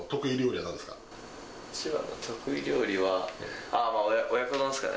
一番の得意料理は、親子丼ですかね。